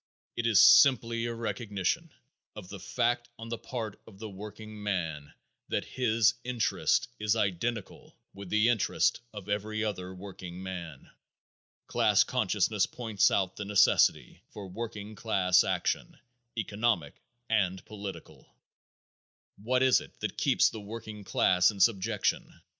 It is simply a recognition of the fact on the part of the workingman that his interest is identical with the interest of every other workingman. Class consciousness points out the necessity for working class action, economic and political. What is it that keeps the working class in subjection?